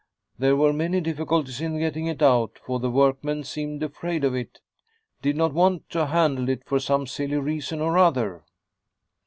"There were many difficulties in getting it out, for the workmen seemed afraid of it, did not want to handle it for some silly reason or other."